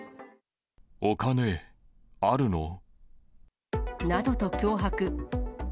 お金あるの？などと脅迫。